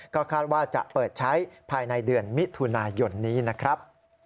ก็คาดว่าจะเปิดใช้ภายในเดือนมิถุนายนนี้นะครับ